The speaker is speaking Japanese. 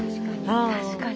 確かに。